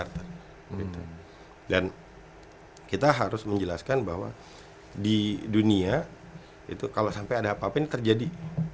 dan kita harus menjelaskan bahwa di dunia itu kalau sampai ada apa apa ini terjadi